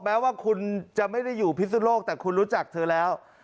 แม้ว่าคุณจะไม่ได้อยู่พิศนโลกแต่คุณรู้จักเธอแล้ว